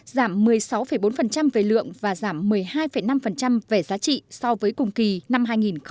giảm một mươi sáu bốn về lượng và giảm một mươi hai năm về giá trị so với cùng kỳ năm hai nghìn một mươi tám